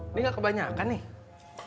ini nggak kebanyakan nih